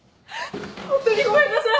ホントにごめんなさい！